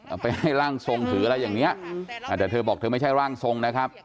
ไปให้ร่างทรงถืออะไรอย่างนี้แต่เธอบอกเธอไม่ใช่ร่างทรงนะครับ